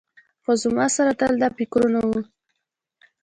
خو زما سره تل دا فکرونه وو.